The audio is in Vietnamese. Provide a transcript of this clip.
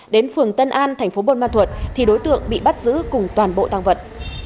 đến phường tân an thành phố bôn ma thuật thì đối tượng bị bắt giữ cùng toàn bộ tăng vật